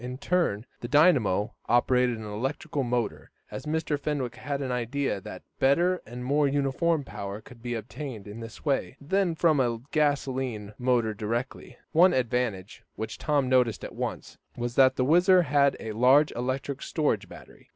In turn, the dynamo operated an electrical motor, as Mr. Fenwick had an idea that better, and more uniform, power could be obtained in this way, than from a gasolene motor direct. One advantage which Tom noticed at once, was that the WHIZZER had a large electric storage battery.